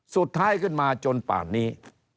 สุดท้ายขึ้นมาจนป่านนี้